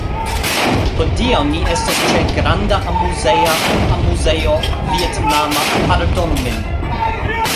Hodiaŭ ni estas ĉe granda amuzeja... amuzejo vietnama... pardonu min